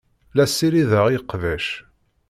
La ssirideɣ iqbac.